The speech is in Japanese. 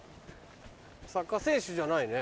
サッカー選手じゃないね。